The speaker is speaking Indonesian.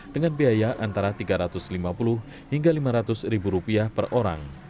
dengan biaya antara rp tiga ratus lima puluh hingga rp lima ratus per orang